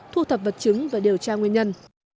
thu thập vật chứng và điều tra nguyên nhân